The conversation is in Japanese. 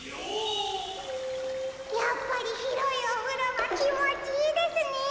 やっぱりひろいおふろはきもちいいですね！